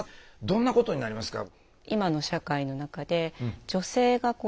どんなことになりますか？